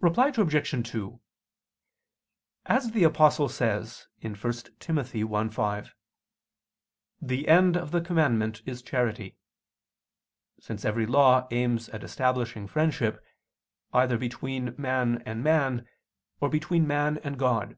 Reply Obj. 2: As the Apostle says (1 Tim. 1:5), "the end of the commandment is charity"; since every law aims at establishing friendship, either between man and man, or between man and God.